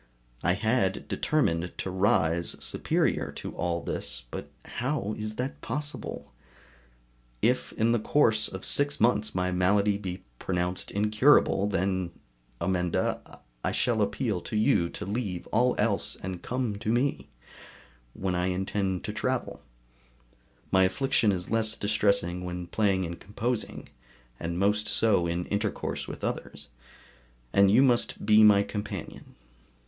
I had determined to rise superior to all this, but how is it possible? If in the course of six months my malady be pronounced incurable then, Amenda! I shall appeal to you to leave all else and come to me, when I intend to travel (my affliction is less distressing when playing and composing, and most so in intercourse with others), and you must be my companion.